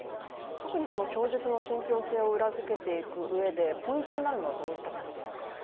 特に供述の信ぴょう性を裏付けていくうえでポイントとなるのはどういったところですか。